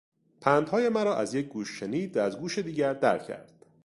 پندهای مرا از یک گوش شنید و از گوش دیگر در کرد.